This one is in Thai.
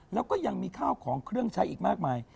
แล้วก็ยังมีข้าวของเครื่องใช้อีกมากมาย